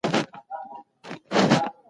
د خلګو د عقیدې احترام د سولي بنسټ دی.